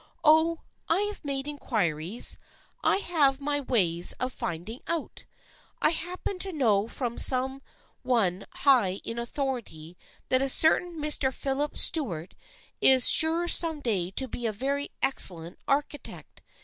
" Oh, I have made inquiries. I have ways of THE FRIENDSHIP OF ANNE 329 finding out ! I happen to know from some one high in authority that a certain Mr. Philip Stuart is sure some day to be a very excellent architect.